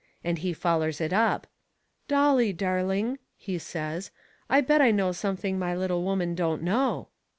And he follers it up: "Dolly, darling," he says, "I bet I know something my little woman don't know."